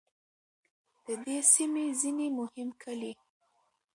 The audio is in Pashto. د دې سیمې ځینې مهم کلي